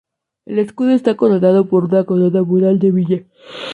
El escudo está coronado por una corona mural de villa.